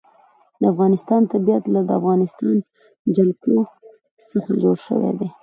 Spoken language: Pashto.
د افغانستان طبیعت له د افغانستان جلکو څخه جوړ شوی دی.